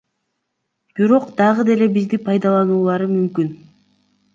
Бирок дагы деле бизди пайдалануулары мүмкүн.